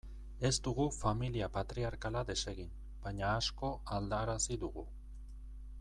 Ez dugu familia patriarkala desegin, baina asko aldarazi dugu.